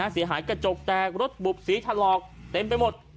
เสียหายกระจกแตกรถบุบสีถลอกเต็มไปหมด